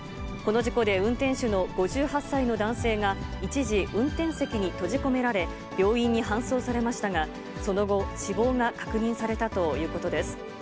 この事故で、運転手の５８歳の男性が、一時運転席に閉じ込められ、病院に搬送されましたが、その後、死亡が確認されたということです。